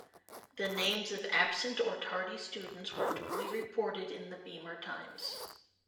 The names of absent or tardy students were duly reported in the Beemer Times.